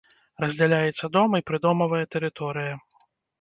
Раздзяляецца дом і прыдомавая тэрыторыя.